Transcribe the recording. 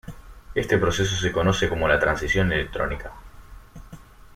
Este proceso se conoce como transición electrónica.